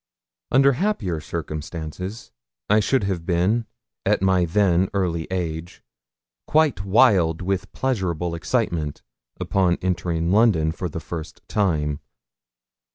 Under happier circumstances I should have been, at my then early age, quite wild with pleasurable excitement on entering London for the first time.